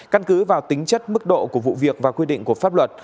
căn cứ vào tính chất mức độ của vụ việc và quy định của pháp luật